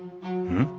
うん？